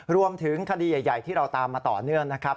รวมถึงคดีใหญ่ที่เราตามมาต่อเนื่องนะครับ